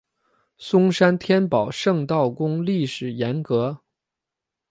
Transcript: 松山天宝圣道宫历史沿革